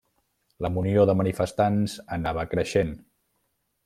La munió de manifestants anava creixent.